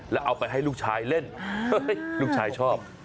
แล้วเอาไปให้ลูกชายเล่นลูกชายชอบ